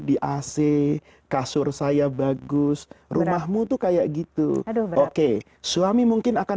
di ac kasur saya bagus rumahmu tuh kayak gitu oke suami mungkin akan